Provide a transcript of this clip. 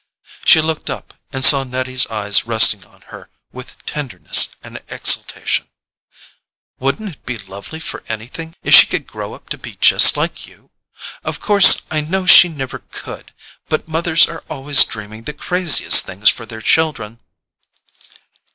She looked up, and saw Nettie's eyes resting on her with tenderness and exultation. "Wouldn't it be too lovely for anything if she could grow up to be just like you? Of course I know she never COULD—but mothers are always dreaming the craziest things for their children."